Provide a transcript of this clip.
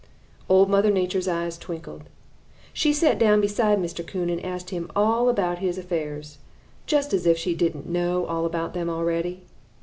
"Old Mother Nature's eyes twinkled. She sat down beside Mr. Coon and asked him all about his affairs, just as if she didn't know all about them already.